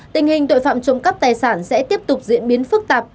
tình hình tội phạm trộm cắp tài sản sẽ tiếp tục diễn biến phức tạp